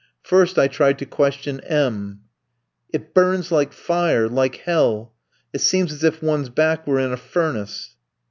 First I tried to question M tski. "It burns like fire! like hell! It seems as if one's back were in a furnace."